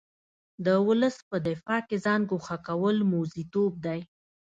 د ولس په دفاع کې ځان ګوښه کول موزیتوب دی.